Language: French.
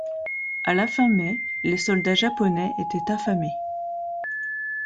À la fin mai, les soldats japonais étaient affamés.